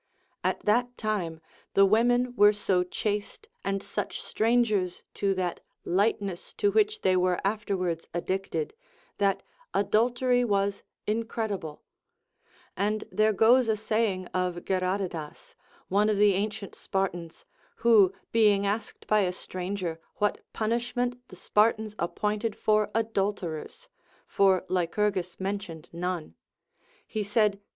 x\t that time the women Avere so chaste and such strangers to that lightness to Avhich they were afterwards addicted, that adultery was incredible ; and there goes a saying of Ge radatas, one of the ancient Spartans, who being asked by a stranger what punishment the Spartans appointed for adulterers (for Lycurgus mentioned none), he said.